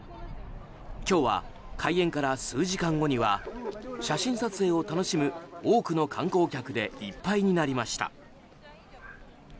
今日は開園から数時間後には写真撮影を楽しむ多くの観光客でいっぱいになりました。